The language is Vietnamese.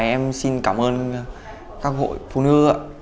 em xin cảm ơn các hội phụ nữ